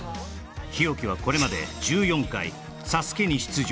日置はこれまで１４回「ＳＡＳＵＫＥ」に出場